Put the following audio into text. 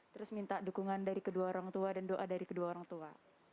terus minta dukungan dari kedua orang tua dan doa dari kedua orang tua